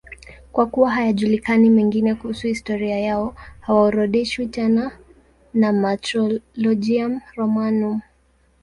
Kwa kuwa hayajulikani mengine kuhusu historia yao, hawaorodheshwi tena na Martyrologium Romanum.